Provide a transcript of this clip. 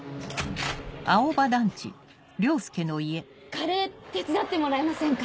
カレー手伝ってもらえませんか？